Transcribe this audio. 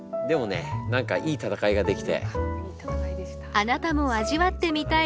あなたも味わってみたい